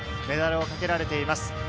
メダルをかけられています。